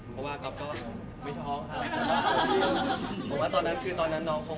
ก็อย่างดีที่พี่เป็นพี่พ่อมีพี่ซึญผม